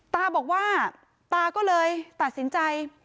ตาบอกว่าตาก็เลยตัดสินใจ